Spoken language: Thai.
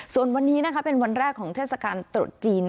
ส่วนวันนี้นะคะเป็นวันแรกของเทศกาลตรุษจีน